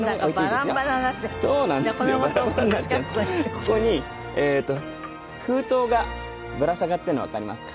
ここに封筒がぶら下がっているのわかりますか？